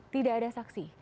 tidak ada saksi